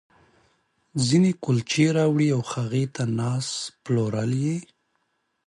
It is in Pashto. ځينې کُلچې راوړي او هغې ته ناست، پلورل یې.